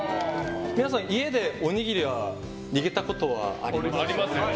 皆さん、家でおにぎりは握ったことありますか？